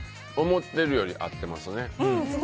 思ってるより合ってますね。